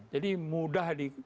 jadi mudah di